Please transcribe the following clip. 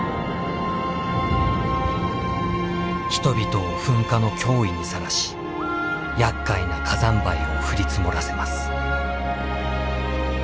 人々を噴火の脅威にさらしやっかいな火山灰を降り積もらせます。